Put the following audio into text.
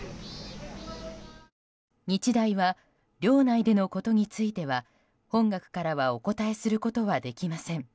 日大は寮内でのことについては本学からはお答えすることはできません。